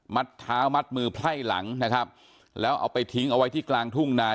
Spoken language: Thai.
เท้ามัดมือไพ่หลังนะครับแล้วเอาไปทิ้งเอาไว้ที่กลางทุ่งนา